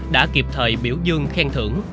đã kịp thời biểu dương khen thưởng